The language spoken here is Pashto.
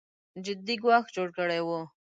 جدي ګواښ جوړ کړی و